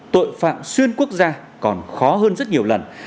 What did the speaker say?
tội phạm xuyên quốc gia còn khó hơn rất nhiều lần